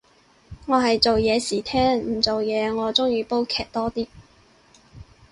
我係做嘢時聽，唔做嘢我鍾意煲劇多啲